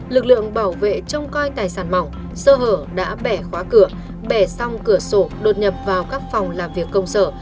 lực lượng bảo vệ trông coi tài sản mỏng sơ hở đã bẻ khóa cửa bẻ xong cửa sổ đột nhập vào các phòng làm việc công sở